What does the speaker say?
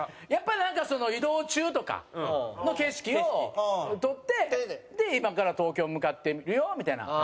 やっぱりなんか移動中とかの景色を撮ってで今から東京向かってるよみたいな。